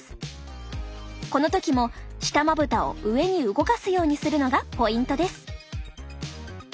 この時も下まぶたを上に動かすようにするのがポイントです。